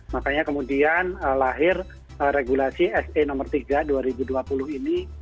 makanya kemudian lahir regulasi se nomor tiga dua ribu dua puluh ini